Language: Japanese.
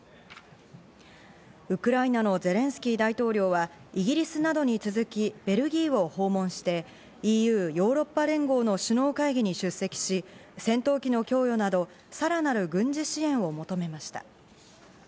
ウクライナのゼレンスキー大統領は、イギリスなどに続き、ベルギーを訪問してＥＵ＝ヨーロッパ連合の首脳会議に出席し、戦闘機の供与など、さらなる軍事支援を求めました。